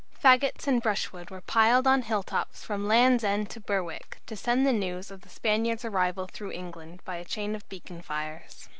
Faggots and brushwood were piled on hill tops from Land's End to Berwick to send the news of the Spaniards' arrival through England by a chain of beacon fires.